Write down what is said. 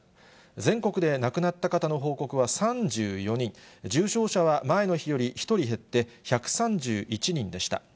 全国で亡くなった方の報告は３４人、重症者は前の日より１人減って１３１人でした。